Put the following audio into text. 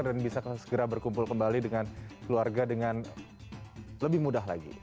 dan bisa segera berkumpul kembali dengan keluarga dengan lebih mudah lagi